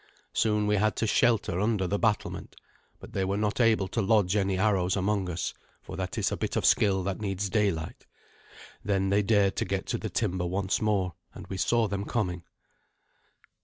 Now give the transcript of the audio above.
Soon we had to shelter under the battlement, but they were not able to lodge any arrows among us, for that is a bit of skill that needs daylight. Then they dared to get to the timber once more, and we saw them coming.